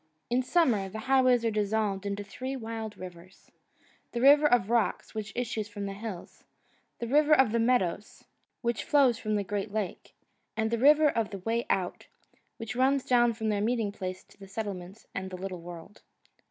In summer the highways are dissolved into three wild rivers the River of Rocks, which issues from the hills; the River of Meadows, which flows from the great lake; and the River of the Way Out, which runs down from their meeting place to the settlements and the little world.